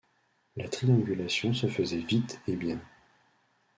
La triangulation se faisait vite et bien.